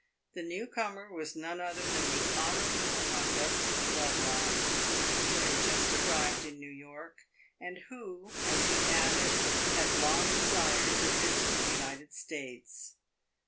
The new comer was none other than the Honourable Augustus Lovelock, who had just arrived in New York, and who, as he added, had long desired to visit the United States.